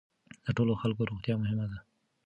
د ټولو خلکو روغتیا مهمه ده.